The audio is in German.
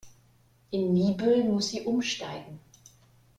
In Niebüll muss sie umsteigen.